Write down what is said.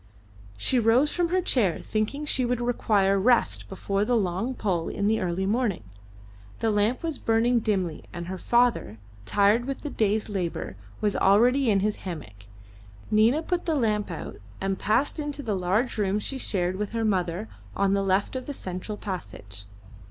She rose from her chair, thinking she would require rest before the long pull in the early morning. The lamp was burning dimly, and her father, tired with the day's labour, was already in his hammock. Nina put the lamp out and passed into a large room she shared with her mother on the left of the central passage.